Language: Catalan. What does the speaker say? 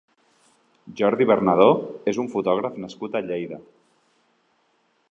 Jordi Bernadó és un fotògraf nascut a Lleida.